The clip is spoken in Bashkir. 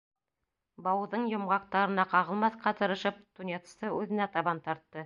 Бауҙың йомғаҡтарына ҡағылмаҫҡа тырышып, тунецты үҙенә табан тартты.